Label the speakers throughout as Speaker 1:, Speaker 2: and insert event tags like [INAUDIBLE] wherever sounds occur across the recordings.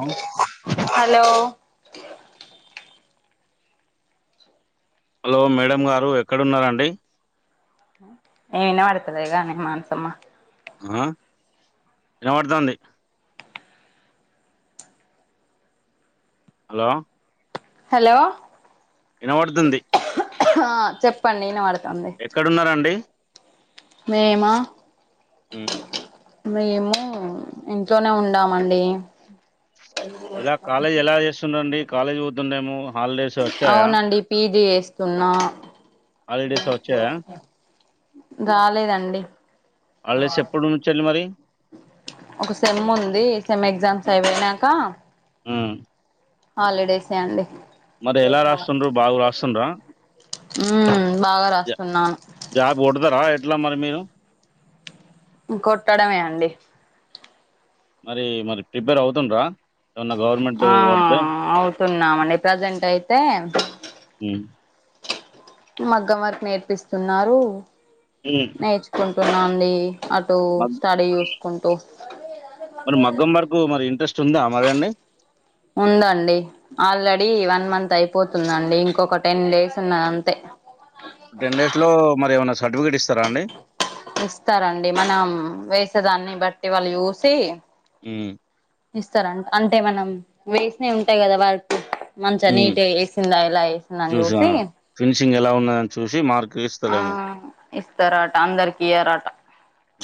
Speaker 1: ఆ,
Speaker 2: hello
Speaker 1: hello madam గారు ఎక్కడున్నరండి
Speaker 2: నేవన్న వాడుతలే మాన్సమ్మ
Speaker 1: ఆ వినపడుతుంది హలో
Speaker 2: హలో
Speaker 1: విన పడుతుంది
Speaker 2: ఆ చెప్పండి వినప
Speaker 1: ఎక్కడున్నారండి
Speaker 2: మేమా
Speaker 1: ఉ
Speaker 2: మేము ఇంట్లోనే ఉండామండి
Speaker 1: ఇలా కాలేజ్ ఎలా చేస్తుండండి కాలేజ్ పోతుండేమో హాలిడేస్ వచ్చాయా
Speaker 2: అవునండి పీజీ చేస్తున్నా
Speaker 1: హాలిడేస్ వచ్చాయా
Speaker 2: రాలేదండి
Speaker 1: వాళ్ళసి ఎప్పుడు ఉంచండి మరి
Speaker 2: ఒక సెమ్ ఉంది సెమ్ ఎగ్జామ్స్ అయిపోయినాక
Speaker 1: ఆ
Speaker 2: హాలిడేసే అండి
Speaker 1: మరి ఎలా రాస్తుండ్ర బాగు రాస్తుండ్రా
Speaker 2: ఉ
Speaker 1: జాబ్ కొడతారా ఎట్లా మరి మీరు
Speaker 2: కొట్టడమే అండి
Speaker 1: మరి మరి ప్రిపేర్ అవుతుండ్రా ఏమన్నా గవర్నమెంట్
Speaker 2: ఆ
Speaker 1: పడితే
Speaker 2: అవుతున్నామండి ప్రజెంట్ అయితే
Speaker 1: ఉమ్,
Speaker 2: మగ్గం వరకు నేర్పిస్తున్నారు
Speaker 1: ఉమ్.
Speaker 2: నేర్చుకుంటున్నాండి అటు
Speaker 1: మగ్-
Speaker 2: స్టడీ చూసుకుంటూ
Speaker 1: మరి మగ్గం వరకు మరి ఇంట్రెస్ట్ ఉందా మరి అండి
Speaker 2: ఉందండి ఆల్రెడీ వన్ మంత్ అయిపోతుందండి ఇంకొక టెన్ డేస్ ఉన్నదంతే
Speaker 1: ఇడు టెన్ డేస్ లో మరి ఏమైనా సర్టిఫికేట్ ఇస్తారా అండి
Speaker 2: ఇస్తారంండి మనం వేసే దాన్ని బట్టి వాళ్ళు చూసి
Speaker 1: హ్మ్
Speaker 2: ఇస్తారం అంటే మనం వేసినయి ఉంటాయి కదా వట్ మంచిగా
Speaker 1: ఉమ్.
Speaker 2: నీట్గా వేసిందా ఇలా వేసింద అని
Speaker 1: చూసా.
Speaker 2: చూసి
Speaker 1: [INAUDIBLE] ఎలా ఉన్నా అని చూసి మార్
Speaker 2: ఆ ఇస్తారట అందరికి ఇయరట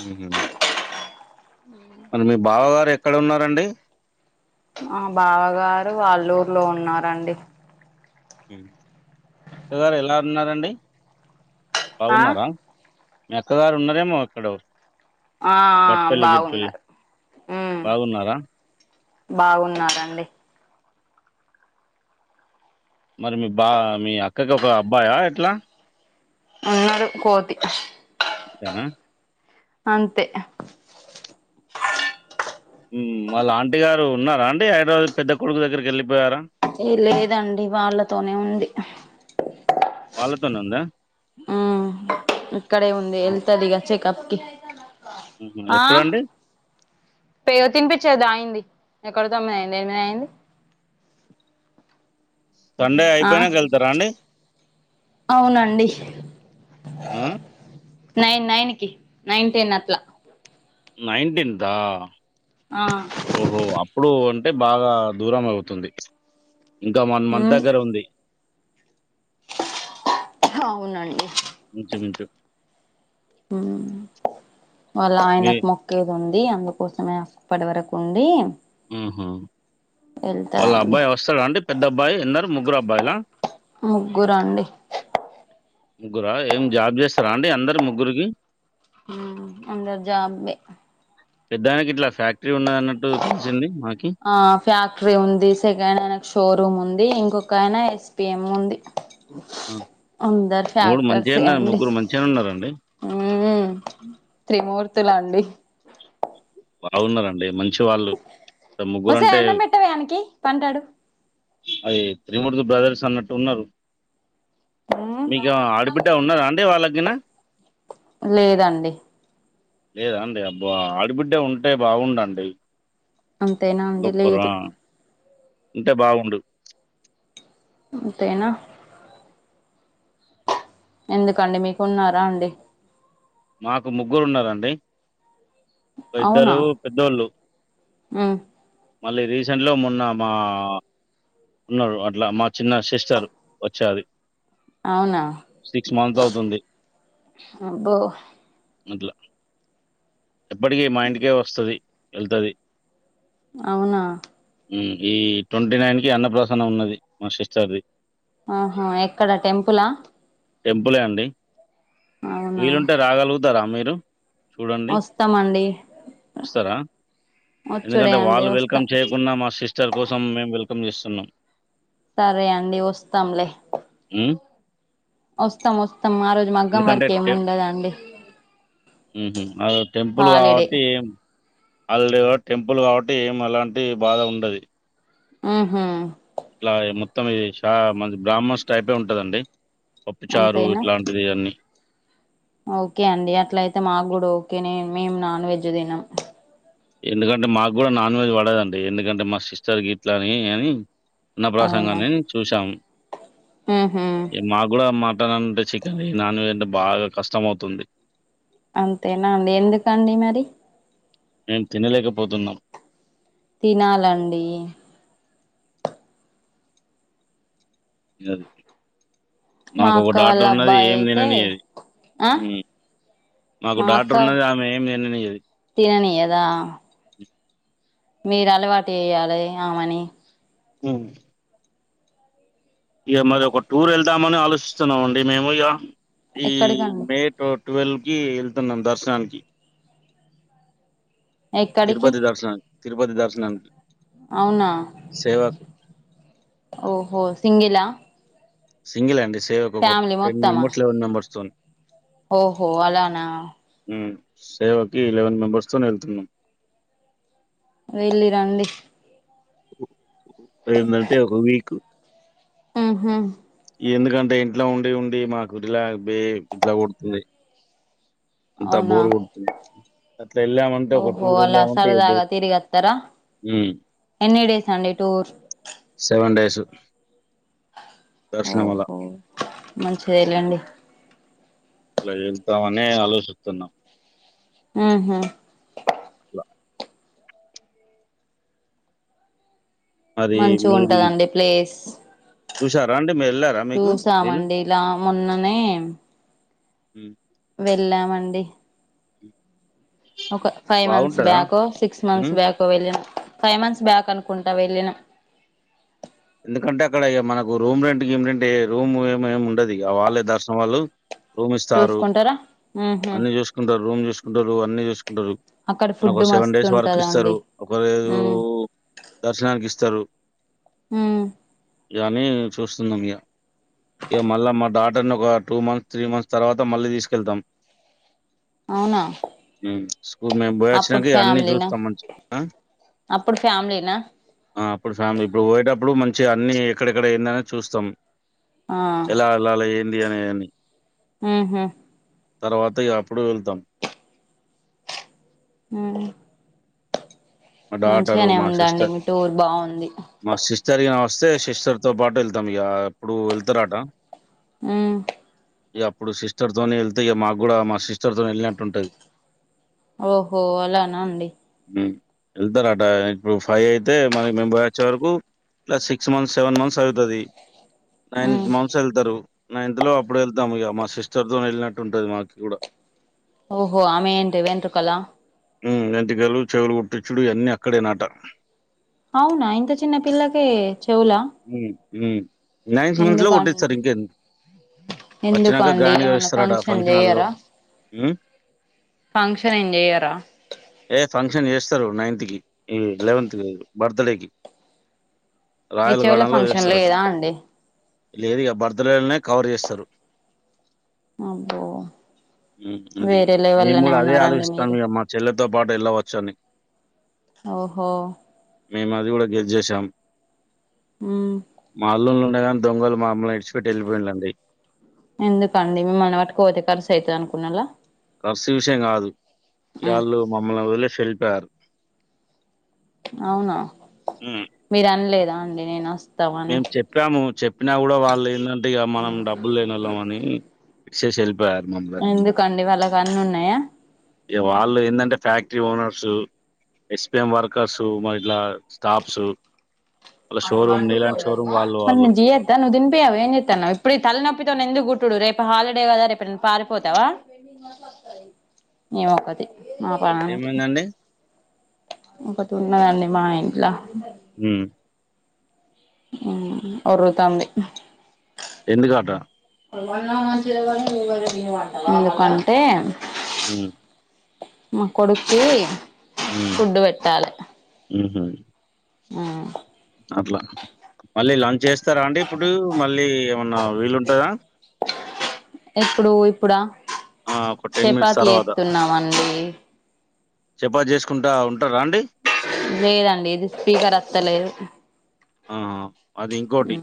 Speaker 1: హుహు. మరి మీ బావ గారు ఎక్కడ ఉన్నారండి
Speaker 2: మా బావగారు వాల్లూరులో ఉన్నారండి
Speaker 1: అత్తగారు ఎలా ఉన్నారండి
Speaker 2: ఆ
Speaker 1: బాగున్నారా మి అక్కగారు ఉన్నారేమో ఎక్కడో
Speaker 2: ఆ..
Speaker 1: బట్టపెల్లి, గిట్టపెల్లి
Speaker 2: బాగున్నారు హ్మ్
Speaker 1: బాగున్నారా?
Speaker 2: బాగున్నారండి
Speaker 1: మరి మీ బా మీ అక్కకి ఒక అబ్బాయా ఎట్లా
Speaker 2: ఉన్నడు కోతి
Speaker 1: అంతేన
Speaker 2: అంతే
Speaker 1: హ్మ్ వాళ్ళ ఆంటీ గారు ఉన్నారాఅండి హైదరాబాద్ పెద్ద కొడుకు దగ్గరికి వెళ్ళిపోయారా
Speaker 2: ఏ లేదండి వాళ్ళతోనే ఉంది
Speaker 1: వాళ్ళతోనే ఉందా
Speaker 2: ఆ ఇక్కడ ఉంది
Speaker 1: హ్మ్.
Speaker 2: వెళ్తది ఇగ చెకప్కి
Speaker 1: ఎప్పుడండి
Speaker 2: పె తినిపించెదా అయింది ఎక్కడ తొమ్మిది అయింది ఎనిమిది అయింది
Speaker 1: సండే
Speaker 2: ఆ
Speaker 1: అయిపోయినాక వెళ్తారా అండి
Speaker 2: అవునండి
Speaker 1: ఆ!
Speaker 2: నైన్ నైన్ కి నైన్ టెన్ అట్లా
Speaker 1: నైన్ టెన్కా
Speaker 2: ఆ
Speaker 1: ఓహో అప్పుడు అం టే బాగా దూరం అవుతుంది ఇంకా వన్ మంత్
Speaker 2: ఉమ్
Speaker 1: దగ్గర ఉంది
Speaker 2: అవునండి
Speaker 1: ఇంచు మించు
Speaker 2: హ్మ్ వాళ్ళ
Speaker 1: మీ
Speaker 2: ఆయనకు మొక్కేది ఉంది ఇది అందుకోసమే అప్పడివరకు ఉండి
Speaker 1: హ్మ్ హూ వాళ్ళ
Speaker 2: వెళ్తదండి
Speaker 1: అబ్బాయి వస్తాడా అండి పెద్ద అబ్బాయి ఎందరు ముగ్గురు అబ్బాయిలా
Speaker 2: ముగ్గురండి
Speaker 1: ముగ్గురా ఏం జాబ్ చేస్తారా అండి అందరు ముగ్గురికి
Speaker 2: హ్మ్ అందరు జాబ్లె
Speaker 1: పెద్దాయనికి ఇట్లా ఫ్యాక్ట్
Speaker 2: ఆ ఫ్యాక్టరీ ఉంది సెకండ్ ఆయనకి షోరూమ్ ఉం ది ఇంకొక్క ఆయన ఎస్పిఎం ఉంది
Speaker 1: ఆ!
Speaker 2: అందరు ఫ్యాక్టర్సే
Speaker 1: మంచిగానే
Speaker 2: అండి
Speaker 1: ముగ్గురు మంచిగానే ఉన్నారండి.
Speaker 2: హ్మ్ త్రిమూర్తులు అండి
Speaker 1: బాగున్నారండి మంచివాళ్ళు ముగ్గురు
Speaker 2: ఒసేయ్
Speaker 1: అంటే
Speaker 2: అన్నం పెట్టవే ఆనికి పంటాడు
Speaker 1: అది త్రిమూర్తి బ్రదర్స్ అన్నట్టు ఉన్నారు
Speaker 2: మ్మ్
Speaker 1: మీకేమన్న ఆడబిడ్డ ఉన్నాదా అండి వాళ్ళగీనా
Speaker 2: లేదండి
Speaker 1: లేదా అండి అబ్బ ఆడిబిడ్డ ఉంటే బాగుండండి
Speaker 2: అంతేనా అండి
Speaker 1: ఇంకొకరు ఆ!
Speaker 2: లేదు
Speaker 1: ఉంటే బాగుండు
Speaker 2: అంతేనా ఎందుకండి మీకు ఉన్నారా అండి
Speaker 1: మాకు ముగ్గురు ఉన్నారండి ఇద్దరు పెద్దోళ్ళు
Speaker 2: హ్మ్
Speaker 1: మళ్ళీ రీసెంట్‌లో మొన్న మా ఉన్నారు అట్లా మా చిన్న సిస్టర్ వచ్చది
Speaker 2: అవునా
Speaker 1: అవుతుంది
Speaker 2: అబ్బో
Speaker 1: అట్ల ఎప్పటికీ మా ఇంటికే వస్తది ఏళ్తాది
Speaker 2: అవునా
Speaker 1: హ్మ్ ఈ ట్వంటీనైన్ కి అన్నప్రసన్న ఉన్నది మా సిస్టర్ ది
Speaker 2: ఆహా ఎక్కడ టెంపులా
Speaker 1: టెంపులే అండి
Speaker 2: అవునా
Speaker 1: వీలుంటే రాగలుగుతారా మీరు చూడండి
Speaker 2: త్తామండి
Speaker 1: వస్తారా ఎందుకంటే వాళ్ళు వెల్కమ్ చేయకున్న మా సిస్టర్ కోసం మేము వెల్కమ్ చేస్తున్నాం
Speaker 2: సరే అండి వస్తాంలే
Speaker 1: హ్మ్
Speaker 2: వస్తాం వస్తాం ఆరోజు మగ్గం వర్క్ ఏమి ఉండదండి
Speaker 1: హ్మ్ హు అదో టెంపుల్
Speaker 2: హాలిడే
Speaker 1: కాబట్టి ఏం అల్డ్వే టెంపుల్ కాబట్టి ఏం అలాంటి బాధ ఉండది
Speaker 2: ఉహు
Speaker 1: ఇట్లా మొత్తం ఇది షా మాది బ్రాహ్మస్ టైపే ఉంటదండి పప్పుచారు
Speaker 2: అంతేనా
Speaker 1: ఇట్లాంటిది అన్ని
Speaker 2: ఓకే అండి అట్ల అయితే మాగుడా ఓకే నేన్ మేం నాన్ వెజ్ తినం
Speaker 1: ఎందుకంటే మాగుడా నాన్ వెజ్ పడదండి ఎందుకంటే మా సిస్టర్ గిట్లా అని అని అన్న
Speaker 2: అవునా
Speaker 1: ప్రసంగాన్ని చూసాం
Speaker 2: ఉహు
Speaker 1: మాగుడా మా మటన్ అంటే చికెన్ ఈ నాన్ వెజ్ అంటే బాగా కష్టమవుతుంది
Speaker 2: అంతేనా అండి ఎందుకండి మరి
Speaker 1: నేను తినలేకపోతున్నాం
Speaker 2: తినాలండి
Speaker 1: [UNINTELLIGIBLE]
Speaker 2: మా
Speaker 1: నాకు ఒక
Speaker 2: అక్క వాళ్ళ
Speaker 1: డాక్టర్ ఉన్నది
Speaker 2: అబ్బాయి
Speaker 1: ఏం
Speaker 2: అయితే
Speaker 1: తిననీయది
Speaker 2: ఆ
Speaker 1: హ్మ్ మాకు
Speaker 2: మా అక్క
Speaker 1: డాటర్ ఉన్నది ఆమె ఏం తిననియది
Speaker 2: యేదా మీరు అలవాటు చేయాలే ఆమెని
Speaker 1: హ్మ్ ఇగ మరి ఒక టూర్ వెళ్దామని ఆలోచిస్తున్నాం అండి మేము ఇగ ఈ
Speaker 2: ఎక్కడికండి
Speaker 1: మే టో టువల్ కి ఎళ్తున్నాం దర్శనానికి
Speaker 2: ఎక్కడికి
Speaker 1: తిరుపతి దర్శనానికి తిరుపతి దర్శనానికి
Speaker 2: అవునా
Speaker 1: సేవకు
Speaker 2: ఓహో సింగిలా
Speaker 1: సింగిల్ అండి సేవ్ ఒక
Speaker 2: ఫ్యామిలీ
Speaker 1: టెన్
Speaker 2: మొత్తమా
Speaker 1: మెంబర్స్ లెవెన్ మెంబర్స్తోని
Speaker 2: ఓహో అలానా
Speaker 1: సేవకి ఇలెవెన్ మెంబెర్స్తో వెళ్తున్నాం
Speaker 2: వెళ్ళిరండి
Speaker 1: ఏంటంటే ఒక వీక్
Speaker 2: ఉహు
Speaker 1: ఎందుకంటే ఇంట్లో ఉండి ఉండి మాకు రిలా బే ఇట్లా కొడుతుంది అంతా
Speaker 2: అవునా
Speaker 1: బోరు కొడుతుంది అట్లా ఎల్లమంటే ఒక
Speaker 2: ఓహో
Speaker 1: టూర్ ఎలా
Speaker 2: అలా
Speaker 1: ఉంట ఎ
Speaker 2: సరదాగా తిరిగొత్తరా ఎన్ని డేస్ అండి టూర్
Speaker 1: సెవెన్ డేస్ దర్శనం అలా.
Speaker 2: ఓహో మంచిదే లేండి
Speaker 1: అలా వెళ్తామనే ఆలోచిస్తున్నా
Speaker 2: ఆహా
Speaker 1: అట్లా. మరి
Speaker 2: మంచి
Speaker 1: మీరు
Speaker 2: ఉంటదండి ప్లేస్
Speaker 1: చూసారా అండి? మీరెళ్లారా మీకు వీలు?
Speaker 2: చూసామండి ఇలా మొన్ననే
Speaker 1: హు
Speaker 2: వెళ్ళామండి ఒక ఫైవ్ మంత్స్
Speaker 1: బాగుంటదా?
Speaker 2: బ్యాకో సిక్స్ మంత్స్
Speaker 1: హ్మ్.
Speaker 2: బ్యాకో వెళ్ళినం ఫైవ్ మంత్స్ బ్యాక్ అనుకుంట వెళ్ళినం
Speaker 1: ఎందుకంటే అక్కడ ఇగ మనకు రూమ్ రెంట్ గిమ్ రెంట్ ఏ రూమ్ ఏం ఏమి ఉండదు ఇగ వాళ్ళే దర్శనం వాళ్ళు
Speaker 2: చూసుకుంటారా
Speaker 1: అన్ని చూసుకుంటారు రూమ్ చూసుకుంటారు అన్ని చూసుకుంటారు
Speaker 2: అక్కడ
Speaker 1: మనకు
Speaker 2: ఫుడ్
Speaker 1: ఒక సెవెన్
Speaker 2: మస్తు
Speaker 1: డేస్ వరకు ఇస్తారు
Speaker 2: ఉంటదండి
Speaker 1: ఒక రోజు
Speaker 2: ఉ
Speaker 1: దర్శనానికి ఇస్తారు
Speaker 2: హు
Speaker 1: ఇగ అని చూస్తున్నాం ఇగ ఇగ మళ్ళా మా డాటర్ని ఒక టూ మంత్స్ త్రీ మంత్స్ తర్వాత మళ్ళీ తీసుకెళ్తాం
Speaker 2: అవునా
Speaker 1: హ్మ్. స్కూల్ మేము
Speaker 2: అప్పుడు
Speaker 1: పోయివచ్చినంక ఇగ అన్నిీ
Speaker 2: ఫ్యామిలీనా
Speaker 1: చూస్తాం మంచిగా
Speaker 2: అప్పుడు ఫ్యామిలీనా
Speaker 1: ఆ అప్పుడు ఫ్యామిలీ ఇప్పుడు పోయాటప్ ఇప్పుడు మంచి అన్ని ఎక్కడెక్కడ ఏంది అనేది చూస్తాం
Speaker 2: ఆ
Speaker 1: ఎలా వెళ్ళాలి ఏంది అనేవన్ని
Speaker 2: హుహ్
Speaker 1: తర్వాత ఇగ అప్పుడు వెళ్తాం
Speaker 2: హు
Speaker 1: మా డాటరు మా
Speaker 2: ఉందండి
Speaker 1: సిస్టర్
Speaker 2: మీ టూర్ బాగుంది
Speaker 1: మా సిస్ట్ సరిగా వస్తే సిస్టర్ పాటు వెళ్తాం ఇగ అప్పుడు వెళ్తారాట
Speaker 2: హు
Speaker 1: ఇగ అప్పుడు సిస్టర్ తోనే వెళ్తే ఇగ మాకు కూడా మా సిస్టర్ తో వెళ్ళినట్టు ఉంటది
Speaker 2: ఓహో అలానా అండి
Speaker 1: హ్ వెళ్తారట ఇప్పుడు ఫైవ్ అయితే మనకి మీము పోయివచ్చే వరకు ఇలా సిక్స్ మంత్స్ సెవెన్ మంత్స్ అవుతాది నైన్
Speaker 2: ఉమ్
Speaker 1: మంత్స్ వెళ్తారు నైన్త్ లో అప్పుడు వెళ్తాం ఇగ మా సిస్టర్ తో వెళ్ళినట్టు ఉంటుంది మాకు కూడా
Speaker 2: ఓహో ఆమెవెంటి వెంట్రుకల
Speaker 1: హ్ వెంట్రుకలు చెవులు గుట్టిచ్చుడు ఇవన్నీ అక్కడే నాట
Speaker 2: అవునా ఇంత చిన్న పిల్లకే చెవులా
Speaker 1: హ్మ్. హ్మ్. నైన్త్ మంత్ లో కట్టిస్తారు ఇంకేంది
Speaker 2: ఎందుకోండి ఏమన్నా ఫంక్షన్ చేయ్యార
Speaker 1: హ్మ్.
Speaker 2: ఫంక్షన్ ఏం జయరా
Speaker 1: త్తరు నైన్త్ కి ఈ లెవెంత బర్త్డే కి
Speaker 2: ఈ
Speaker 1: రాయల్
Speaker 2: చెవుల
Speaker 1: గార్డెన్లో
Speaker 2: ఫంక్షన్
Speaker 1: చేస్తారట
Speaker 2: లేదా అండి
Speaker 1: లేదుగా బర్త్డేలనే కవర్ చేస్తారు
Speaker 2: అబ్బో
Speaker 1: హ్ అది
Speaker 2: వేరే
Speaker 1: మేము
Speaker 2: లెవెల్లోనే
Speaker 1: కూడా అదే
Speaker 2: ఉన్నారండి
Speaker 1: ఆలోచిస్తాము
Speaker 2: మీరు
Speaker 1: ఇగ మా చెల్లెలతో పాటు వెళ్ళవచ్చాని
Speaker 2: ఓహో
Speaker 1: మేము అది కూడా గేజ్ చేసాం
Speaker 2: ఉమ్
Speaker 1: మాలో ఉండగాని దొంగలు మాములను ఇడిచి పెట్టి వెళ్ళిపోయిండ్లండి
Speaker 2: ఎందుకండి మిమ్మల్ని పట్టుకపోతే ఖర్చు అయితది అనుకున్నలా
Speaker 1: ఖర్చు విషయం కాదు ఇగ వాళ్ళు మమ్మల్ని వదిలేసి వెళ్ళిపోయారు
Speaker 2: అవునా మీరు అనలేదా అండి నేను వాస్
Speaker 1: మేము చెప్పాము చెప్పినా కూడా వాళ్ళు ఎందింటే ఇగ మనం డబ్బులు లేనోళ్ళమని ఇడిసేసి వెళ్ళిపోయారు మమ్మల్ని
Speaker 2: ఇవి అన్ని ఉన్నాయా
Speaker 1: ఇగ వాళ్ళు ఎందింటే ఫ్యాక్టరీ ఓనర్స్ ఎస్పిిఎం వర్కర్సు మ ఇలా స్టాఫ్స్ వాళ్ళు.
Speaker 2: మ జియా నువ్ తిన్పి అవ ఏన్తా నవ్ ఇప్పు తల నొప్పితవ్ న ఎందుకు గు చడు రేపు హాలిడే కదా రేపు నే పారిపోతావా ఏమది మా పనికిక
Speaker 1: ఏమైందండి?
Speaker 2: తన్నగాడి మాట్లా
Speaker 1: హ
Speaker 2: అర తంది
Speaker 1: ఎందు కాట
Speaker 2: ఎందుకంటే
Speaker 1: హ
Speaker 2: మా కొడుకి ఫుడ్ పెట్టాలి
Speaker 1: ఆహా
Speaker 2: ఆ
Speaker 1: అట్లా మళ్ళీ లంచ్ చేస్తారా అండి ఇప్పుడు మళ్ళీ ఏమన్నా వీలుంటందా
Speaker 2: ఎప్పుడు ఇప్పుడా
Speaker 1: ఆ ఒక టెన్ మినిట్స్
Speaker 2: చపాతి
Speaker 1: తర్వాత
Speaker 2: ఎతున్నామండి
Speaker 1: చెపా చేసుకుంటా ఉంటారా అండి
Speaker 2: లేదండి ఇది స్పీకర్ వస్తలేదు
Speaker 1: ఆ అది ఇంకోకోటి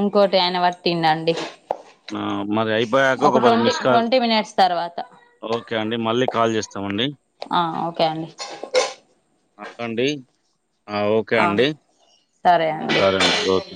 Speaker 2: ఇంకోటి ఆయన పట్టిండండి
Speaker 1: ఆ మరి అయిపోయాక
Speaker 2: ఒక
Speaker 1: మరి
Speaker 2: twenty
Speaker 1: miss call
Speaker 2: twenty minutes తర్వాత
Speaker 1: ఓకే అండి మళ్ళీ కాల్ చేస్తామండి
Speaker 2: ఆ ఓకే అండి
Speaker 1: అండి ఓకే
Speaker 2: ఆ
Speaker 1: అండి సరే అండి ఓకే